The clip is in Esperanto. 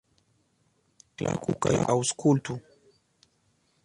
Klaku kaj aŭskultu!